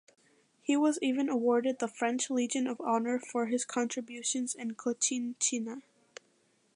He was even awarded the French Legion of Honor for his contributions in Cochinchina.